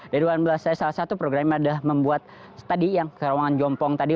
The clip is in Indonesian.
dari dua ribu delapan belas salah satu program ini adalah membuat tadi yang kerawangan jompong tadi